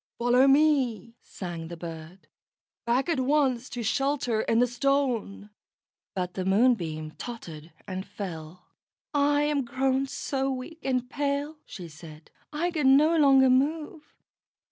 "Follow me," sang the bird. "Back at once to shelter in the Stone." But the Moonbeam tottered and fell. "I am grown so weak and pale," she said, "I can no longer move."